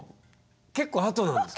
結構あとなんですか？